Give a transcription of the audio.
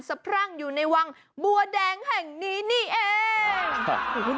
พรั่งอยู่ในวังบัวแดงแห่งนี้นี่เอง